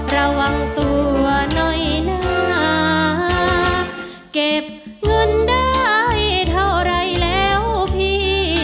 ระวังตัวหน่อยนะเก็บเงินได้เท่าไรแล้วพี่